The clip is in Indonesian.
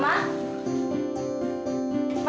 bayarnya pake apa